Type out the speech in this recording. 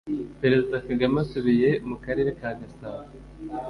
Perezida Kagame asubiye mu Karere ka Gasabo